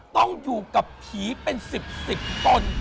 ต้องอยู่กับผีเป็น๑๐๑๐ตน